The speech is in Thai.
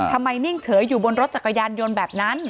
นิ่งเฉยอยู่บนรถจักรยานยนต์แบบนั้น